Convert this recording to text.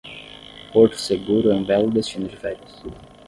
Porto Seguro é um belo destino de férias